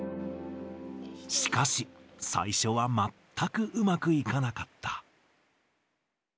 しかし最初はまったくうまくいかなかった。